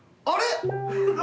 あれ？